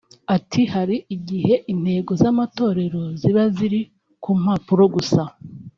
ati “Hari igihe intego z’amatorero ziba ziri ku mpapuro gusa